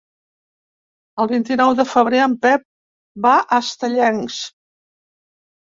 El vint-i-nou de febrer en Pep va a Estellencs.